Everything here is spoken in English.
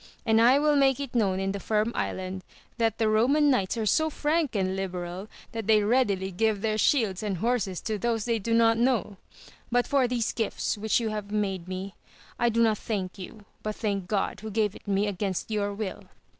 And I will make it known in the Firm Island that the Eoman knights are so frank and liberal that they readily give their shields and horses to those they do not know ! but for these gifts which you have made me I do not thank you, but thank God who gave it me against your will.